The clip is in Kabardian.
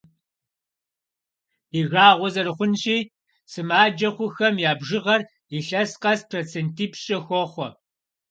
Ди жагъуэ зэрыхъунщи, сымаджэ хъухэм я бжыгъэр илъэс къэс процентипщӏкӏэ хохъуэ.